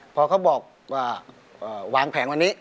พอเขาบอกว่าวางแผงวันนี้